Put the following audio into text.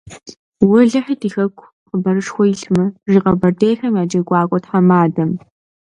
- Уэлэхьэ, ди хэку хъыбарышхуэ илъмэ, - жи Къэбэрдейм я джэгуакӀуэ тхьэмадэм.